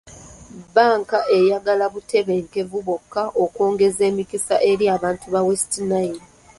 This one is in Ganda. Bbanka eyagala butebenkevu bwokka okwongeza emikisa eri abantu ba West Nile .